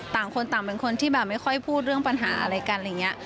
ต่างคนต่างเป็นคนที่แบบไม่ค่อยพูดเรื่องปัญหาอะไรกันอะไรอย่างนี้